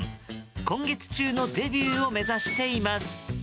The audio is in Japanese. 今月中のデビューを目指しています。